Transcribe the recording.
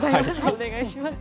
お願いします。